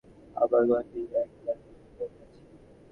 আবার কোনটিতে ইহা একেবারে বর্জিত হইয়াছে।